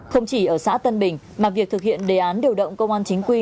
không chỉ ở xã tân bình mà việc thực hiện đề án điều động công an chính quy